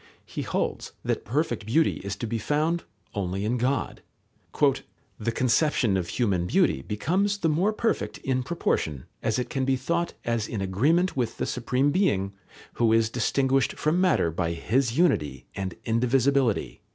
He holds that perfect beauty is to be found only in God. "The conception of human beauty becomes the more perfect in proportion as it can be thought as in agreement with the Supreme Being, who is distinguished from matter by His unity and indivisibility."